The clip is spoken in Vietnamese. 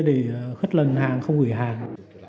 để khất lần hàng không gửi hàng